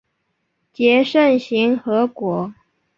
结肾形核果。